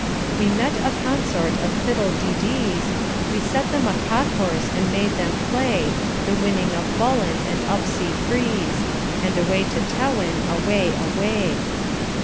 We met a consort of fiddle de dees; We set them a cockhorse, and made them play The winning of Bullen and Upsey frees, And away to Tewin, away, away!